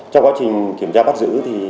trong quá trình kiểm tra bắt giữ